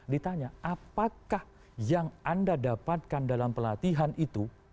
ditanya apakah yang anda dapatkan dalam pelatihan itu